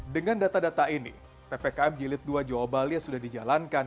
dengan data data ini ppkm jelit ii jawa bali yang sudah dijalankan